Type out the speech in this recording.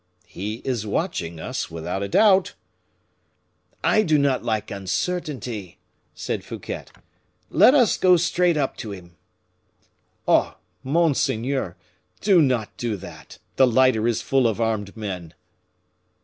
"He is watching us, without a doubt." "I do not like uncertainty," said Fouquet; "let us go straight up to him." "Oh! monseigneur, do not do that, the lighter is full of armed men."